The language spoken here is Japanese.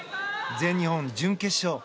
全日本準決勝。